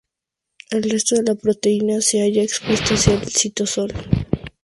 El resto de la proteína se halla expuesta hacia el citosol.